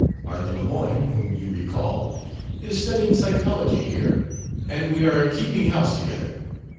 Arthur Lemoyne, whom you recall, is studying psychology here, and we are keeping house together.